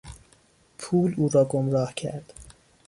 پول او را گمراه کرد.